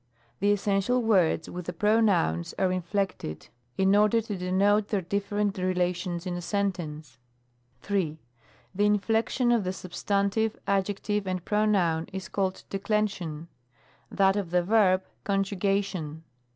The essential words, with the pronouns, are in flected, in order to denote their different relations in a sentence. 3. The inflection of the substantive, adjective, and pronoun, is called Declension; that of the verb, Conju gation.